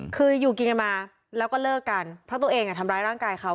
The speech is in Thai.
คืออยู่กินกันมาแล้วก็เลิกกันเพราะตัวเองทำร้ายร่างกายเขา